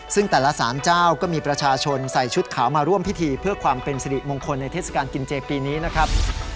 ซึ่งแต่ละสารเจ้าก็มีประชาชนใส่ชุดขาวมาร่วมพิธีเพื่อความเป็นสิริมงคลในเทศกาลกินเจปีนี้นะครับ